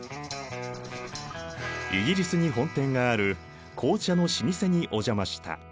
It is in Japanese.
イギリスに本店がある紅茶の老舗にお邪魔した。